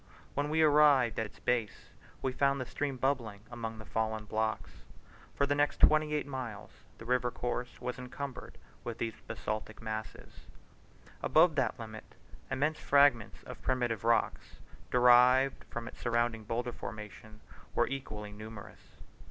When we arrived at its base we found the stream bubbling among the fallen blocks. For the next twenty eight miles the river course was encumbered with these basaltic masses. Above that limit immense fragments of primitive rocks, derived from its surrounding boulder formation, were equally numerous.